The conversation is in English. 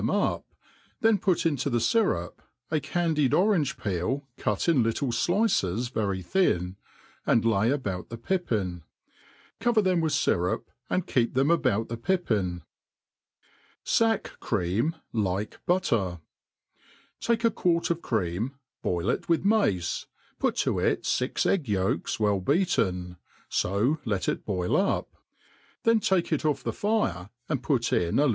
them up ; then put into the fyrup a candied orange peel cut in little flices very thin, and lay about the pippin ; cover them with fyrup, apd keep them about the pipjiin. Saci Cream like ButUr. _• TAKE a quart of cream^ boil it with mace, put to it fi% egg* yolks well beaten, fo let it boil up ; then take it off the fire, and put in a.